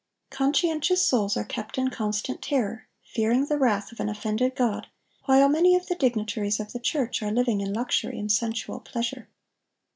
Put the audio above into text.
(1002) Conscientious souls are kept in constant terror, fearing the wrath of an offended God, while many of the dignitaries of the church are living in luxury and sensual pleasure.